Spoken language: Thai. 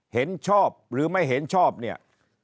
เห็นชอบหรือไม่เห็นชอบเนี่ย